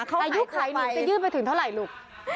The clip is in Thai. แต่ยุคใครหนูจะยืนไปถึงเท่าไหร่ลูก